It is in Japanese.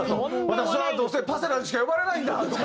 私はどうせパセラにしか呼ばれないんだと。